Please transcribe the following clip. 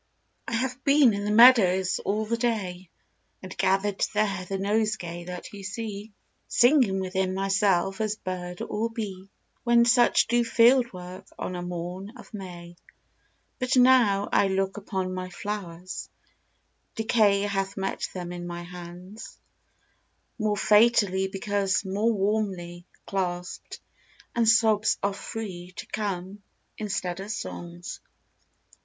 J HAVE been in the meadows all the day, And gathered there the nosegay that you see; Singing within myself as bird or bee, When such do field work on a morn of May: But now I look upon my flowers, — decay Hath met them in my hands, more fatally Because more warmly clasped; and sobs are free To come instead of songs.